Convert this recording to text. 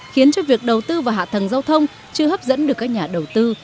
khiến cho việc đầu tư và hạ tầng giao thông chưa hấp dẫn được các nhà đầu tư